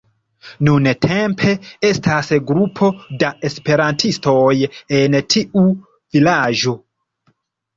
Nuntempe estas grupo da esperantistoj en tiu vilaĝo.